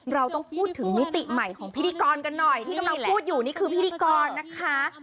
เราต้องพูดถึงมิติใหม่ของพิธีกรกันหน่อยที่กำลังพูดอยู่นี่คือพิธีกรนะคะ